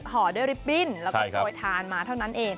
ห่อด้วยลิปปิ้นแล้วก็โปรยทานมาเท่านั้นเอง